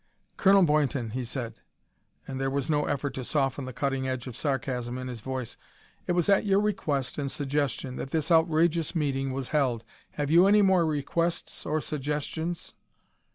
"Colonel Boynton," he said, and there was no effort to soften the cutting edge of sarcasm in his voice, "it was at your request and suggestion that this outrageous meeting was held. Have you any more requests or suggestions?"